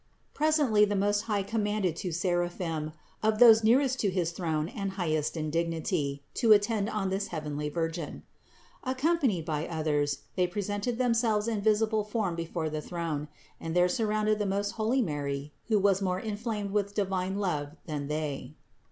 Presently the Most High commanded two seraphim, of those nearest to his throne and highest in dignity to attend on this heavenly Virgin. Accom panied by others, they presented themselves in visible form before the throne, and there surrounded the most holy Mary, who was more inflamed with divine love than they.